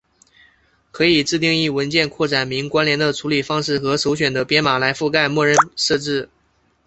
可以自定义文件扩展名关联的处理方式和首选的编码来覆盖默认设置。